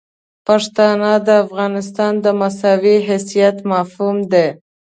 پښتانه د افغانستان د مساوي حیثیت مفهوم دي.